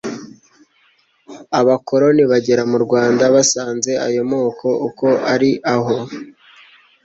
Abakoloni bagera mu Rwanda basanze ayo moko uko ari ariho,